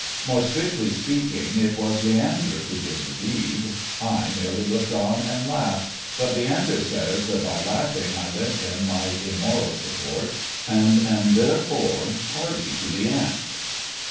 More strictly speaking, it was Leander who did the deed, I merely looked on and laughed, but Leander says that by laughing I lent him my immoral support, and am therefore party to the act.